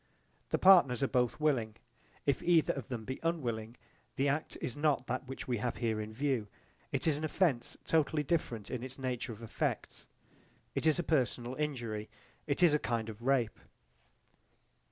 The partners are both willing. If either of them be unwilling, the act is not that which we have here in view: it is an offence totally different in its nature of effects: it is a personal injury; it is a kind of rape.